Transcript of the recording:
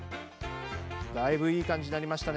だいぶいい感じになりましたね。